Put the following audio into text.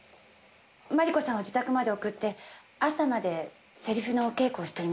麻理子さんを自宅まで送って朝までセリフのお稽古をしていました。